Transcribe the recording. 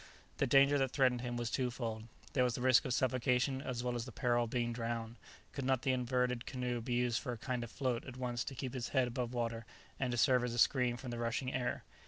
The danger that threatened him was twofold, there was the risk of suffocation as well as the peril of being drowned; could not the inverted canoe be used for a kind of float at once to keep his head above water and to serve as a screen from the rushing air?